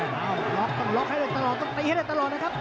ต้องล็อกให้ออกต้องตีให้ได้ตลอดนะครับ